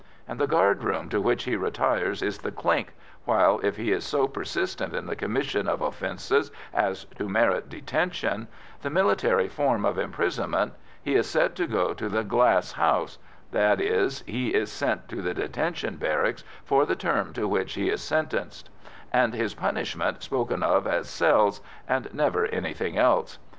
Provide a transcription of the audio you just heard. And the guard room to which he retires is the "clink," while, if he is so persistent in the commission of offences as to merit detention, the military form of imprisonment, he is said to go to the "glass house" that is, he is sent to the detention barracks for the term to which he is sentenced and his punishment is spoken of as "cells," and never anything else.